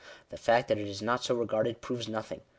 The fact that it is not so regarded, proves nothing.